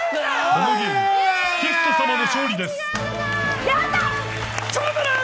このゲームゲスト様の勝利です！